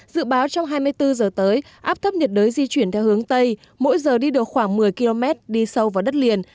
dự báo trong hai mươi bốn giờ tới áp thấp nhiệt đới di chuyển theo hướng tây mỗi giờ đi được khoảng một mươi km đi sâu vào đất liền